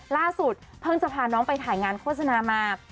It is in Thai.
ล่าสุดเพิ่งจะพาน้องไปถ่ายงานโฆษณามา